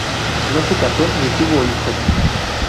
No se casó, ni tuvo hijos.